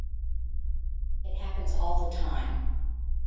It happens all the time.